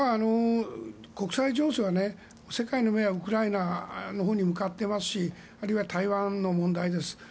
国際情勢は世界の目はウクライナのほうに向かってますしあるいは台湾の問題です。